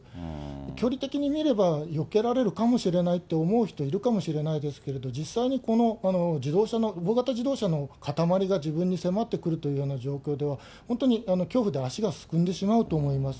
距離的に見れば、よけられるかもしれないと思う人、いるかもしれないですけど、実際にこの自動車の、大型自動車の塊が自分に迫ってくるという状況で、本当に恐怖で足がすくんでしまうと思います。